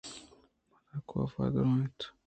پدا کاف ءَ درّائینت